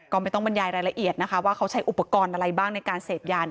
ก็ไม่ต้องบรรยายรายละเอียดนะคะว่าเขาใช้อุปกรณ์อะไรบ้างในการเสพยา